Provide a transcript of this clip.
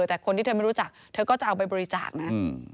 แต่คนที่เธอไม่รู้จักเธอก็จะเอาไปบริจาคนะ